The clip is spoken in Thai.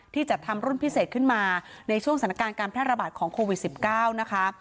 จัดทำรุ่นพิเศษขึ้นมาในช่วงสถานการณ์การแพร่ระบาดของโควิด๑๙นะคะ